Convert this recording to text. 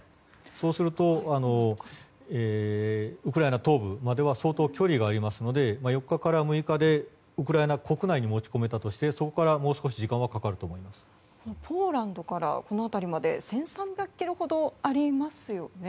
そうするとウクライナ東部までは相当距離がありますので４日から６日でウクライナ国内に持ち込めたとしてそこからもう少しポーランドからこの辺りまで１３００ｋｍほどありますよね。